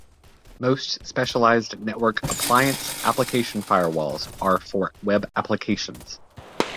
Most specialized network appliance application firewalls are for web applications.